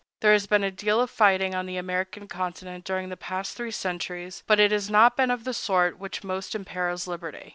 There has been a deal of fighting on the American continent during the past three centuries; but it has not been of the sort which most imperils liberty.